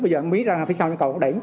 bây giờ cái mí ra phía sau nhãn cầu nó đẩy